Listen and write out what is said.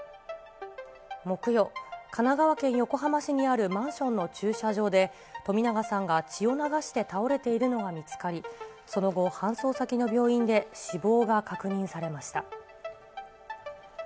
木曜、神奈川県横浜市にあるマンションの駐車場で、冨永さんが血を流して倒れているのが見つかり、その後、搬送先の病院で死亡が確認されました。